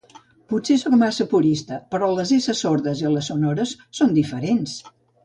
Potser soc massa purista, però les essa sordes i les sonores són diferents